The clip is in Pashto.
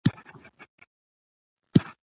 پسه د افغانستان په اوږده تاریخ کې ذکر شوي دي.